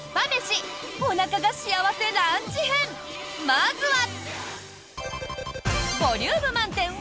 まずは。